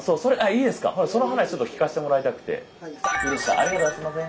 ありがとうございます。